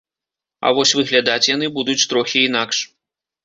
А вось выглядаць яны будуць трохі інакш.